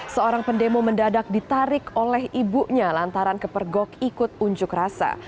seorang pendemo mendadak ditarik oleh ibunya lantaran kepergok ikut unjuk rasa